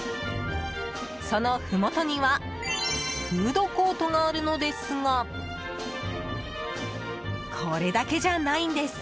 そのふもとにはフードコートがあるのですがこれだけじゃないんです。